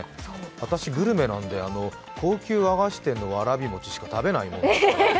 私、グルメなんで、高級和菓子店のわらび餅しか食べないもんですから。